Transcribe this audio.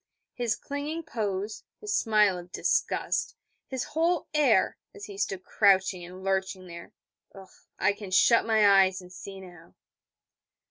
His clinging pose, his smile of disgust, his whole air, as he stood crouching and lurching there, I can shut my eyes, and see now.